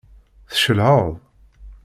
Tcelεeḍ?